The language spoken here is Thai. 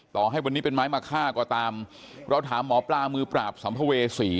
ต่อให้วันนี้เป็นไม้มะค่าก็ตามเราถามหมอปลามือปราบสัมภเวษี